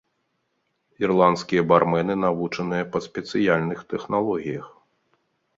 Ірландскія бармэны навучаныя па спецыяльных тэхналогіях.